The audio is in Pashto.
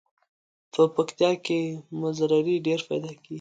په پکتیا کې مزري ډیر پیداکیږي.